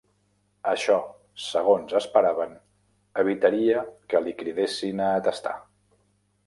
Això, segons esperaven, evitaria que li cridessin a atestar.